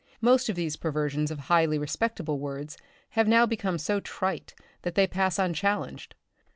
Most of these perversions of highly respectable words have now become so trite that they pass unchallenged.